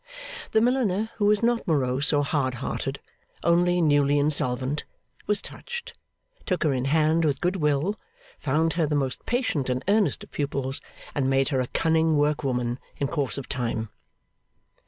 The milliner who was not morose or hard hearted, only newly insolvent was touched, took her in hand with goodwill, found her the most patient and earnest of pupils, and made her a cunning work woman in course of time.